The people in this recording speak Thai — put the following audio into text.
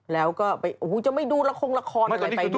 แล้วก็ไปโอ้โฮจะไม่ดูรกภงละครอะไรไปดู